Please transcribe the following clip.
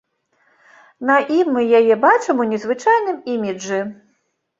На ім мы яе бачым у незвычайным іміджы.